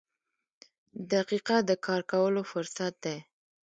• دقیقه د کار کولو فرصت دی.